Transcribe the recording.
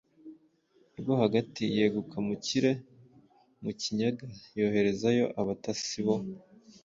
rwo hagati yeguka Mukire wo Mukinyaga yoherezayo abatasi bo